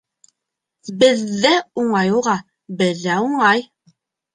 —Беҙҙҙә уңай уға, беҙҙә уңай!